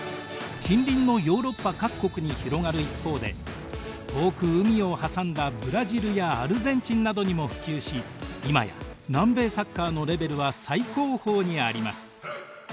近隣のヨーロッパ各国に広がる一方で遠く海を挟んだブラジルやアルゼンチンなどにも普及し今や南米サッカーのレベルは最高峰にあります。